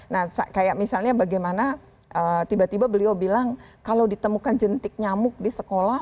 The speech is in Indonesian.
nah kayak misalnya bagaimana tiba tiba beliau bilang kalau ditemukan jentik nyamuk di sekolah